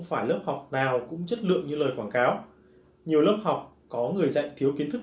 phải lớp học nào cũng chất lượng như lời quảng cáo nhiều lớp học có người dạy thiếu kiến thức